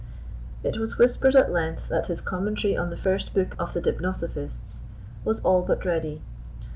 It was whispered at length that his commentary on the first book of the Deipnosophists was all but ready.